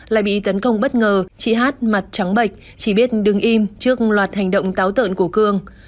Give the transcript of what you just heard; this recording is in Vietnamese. lại bị tấn công bất ngờ chị hát mặt trắng bạch chỉ biết đứng im trước loạt hành động táo tợn của cương